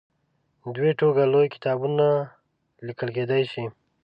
دوې ټوکه لوی کتابونه لیکل کېدلای شي.